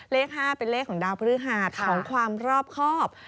เลข๕เป็นเลขของดาวพฤหาสของความรอบครอบ